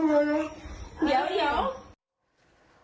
เอาผ้าหอดีเอาผ้ามา